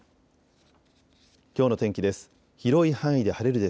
きょうの天気です。